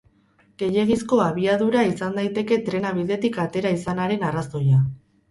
Gehiegizko abiadura izan daiteke trena bidetik atera izanaren arrazoia.